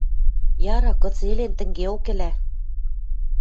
Яра, кыце ӹлен, тӹнгеок ӹлӓ.